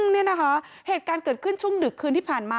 นี่นะคะเหตุการณ์เกิดขึ้นช่วงดึกคืนที่ผ่านมา